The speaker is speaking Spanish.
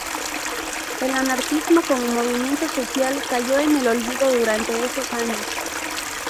El anarquismo -como movimiento social- cayó en el olvido durante esos años.